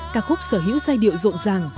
ca khúc sở hữu giai điệu rộng ràng